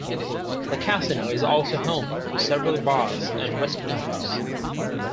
The casino is also home to several bars and restaurants.